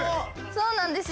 そうなんですよ。